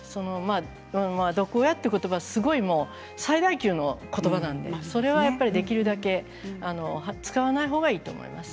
毒親という言葉は最大級の言葉なのでそれはやっぱりできるだけ使わない方がいいと思います。